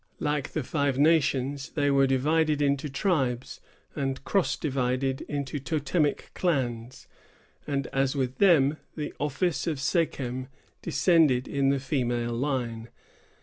Like the Five Nations, they were divided into tribes, and cross divided into totemic clans; and, as with them, the office of sachem descended in the female line.